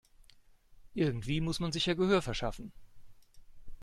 Irgendwie muss man sich ja Gehör verschaffen.